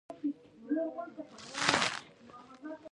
ازادي راډیو د اټومي انرژي په اړه د نوښتونو خبر ورکړی.